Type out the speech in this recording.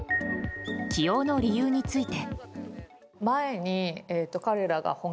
起用の理由について。